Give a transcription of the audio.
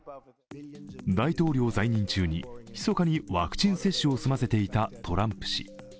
大統領在任中に密かにワクチン接種を済ませていたトランプ氏。